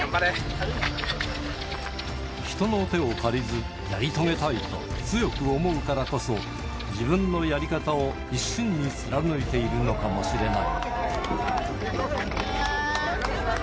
人の手を借りず、やり遂げたいと強く思うからこそ、自分のやり方を一心に貫いているのかもしれない。